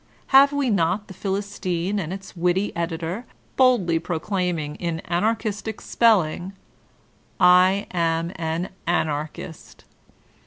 Have we not the Phi listme and its witty editor, boldly proclaiming in An archistic spelling, ''I am an Anarkist?"'